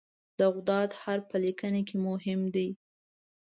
د "ض" حرف په لیکنه کې مهم دی.